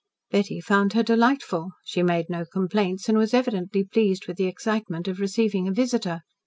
Betty found her delightful. She made no complaints, and was evidently pleased with the excitement of receiving a visitor.